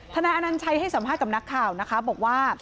นายอนัญชัยให้สัมภาษณ์กับนักข่าวนะคะบอกว่า